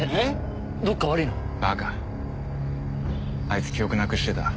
あいつ記憶なくしてた。